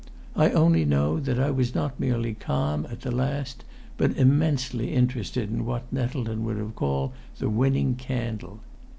I only know that I was not merely calm at the last, but immensely interested in what Nettleton would have called the winning candle.